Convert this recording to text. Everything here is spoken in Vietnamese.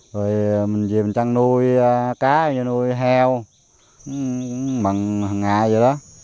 rồi mình dìm chăn nuôi cá như nuôi heo mừng hằng ngày vậy đó